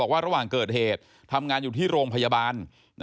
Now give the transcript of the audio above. ว่าระหว่างเกิดเหตุทำงานอยู่ที่โรงพยาบาล